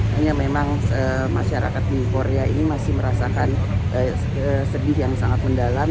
hanya memang masyarakat di korea ini masih merasakan sedih yang sangat mendalam